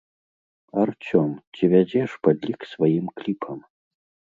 Арцём, ці вядзеш падлік сваім кліпам?